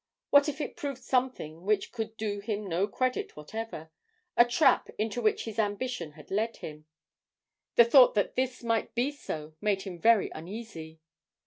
What if it proved something which could do him no credit whatever a trap into which his ambition had led him! The thought that this might be so made him very uneasy.